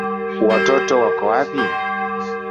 Watoto wako wapi?